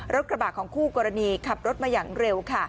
กระบะของคู่กรณีขับรถมาอย่างเร็วค่ะ